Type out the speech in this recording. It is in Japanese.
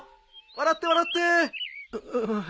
笑って笑って！